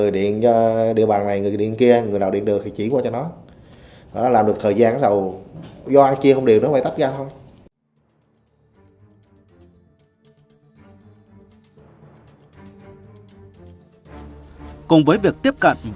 riêng cái địa bàn tỉnh mật liêu thì duy nhất là xảy ra có hai vụ thôi